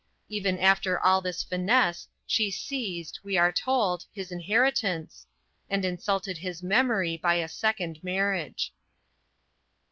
Even after all this finesse, she seized, we are told, his inheritance, and insulted his memory by a second marriage.